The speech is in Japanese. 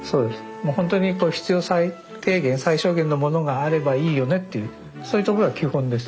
もうほんとに必要最低限最小限のものがあればいいよねっていうそういうところが基本です。